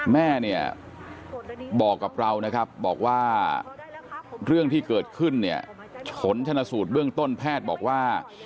แม่เนี่ยบอกกับเรานะครับบอกว่าเรื่องที่เกิดขึ้นเนี่ยผลชนสูตรเบื้องต้นแพทย์บอกว่า